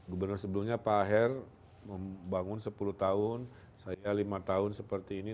gubernur sebelumnya pak aher membangun sepuluh tahun saya lima tahun seperti ini